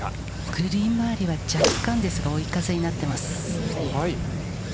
グリーン周りは若干ですが、追い風になっています。